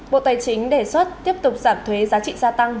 bộ tài chính đề xuất tiếp tục giảm thuế giá trị gia tăng